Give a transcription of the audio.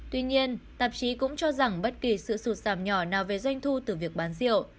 tuy nhiên tạp chí cũng cho rằng bất kỳ sự sụt giảm nhỏ nào về doanh thu từ việc bán rượu